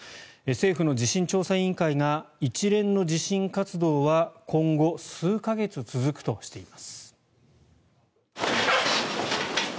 政府の地震調査委員会が一連の地震活動は今後、数か月続くとしています。